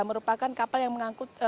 merupakan kapal yang mengangkut